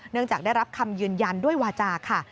จากได้รับคำยืนยันด้วยวาจาค่ะ